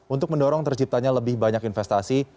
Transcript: untuk mendorong terciptanya lebih banyak investasi